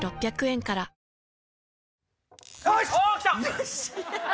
よし！